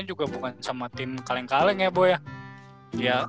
juga bukan sama tim kaleng kaleng ya bu ya